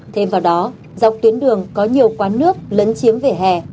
thêm vào đó dọc tuyến đường có nhiều quán nước lấn chiếm vỉa hè